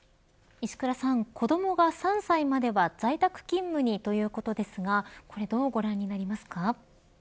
子どもが３歳までは在宅勤務にということですがどうご覧になりますか。